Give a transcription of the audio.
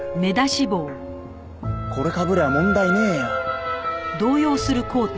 これかぶりゃ問題ねえよ。